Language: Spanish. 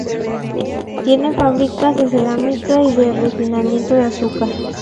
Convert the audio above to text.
Tiene fábricas de cerámica y de refinamiento de azúcar.